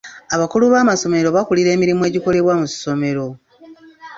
Abakulu b'amasomero bakulira emirimu egikolebwa mu ssomero.